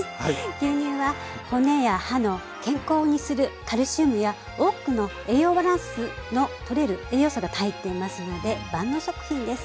牛乳は骨や歯を健康にするカルシウムや多くの栄養バランスの取れる栄養素が入っていますので万能食品です。